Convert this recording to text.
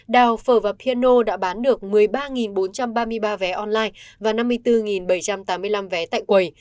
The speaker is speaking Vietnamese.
đào phở và piano đã bán được một mươi ba bốn trăm ba mươi ba vé online và năm mươi bốn bảy trăm tám mươi năm vé tại quầy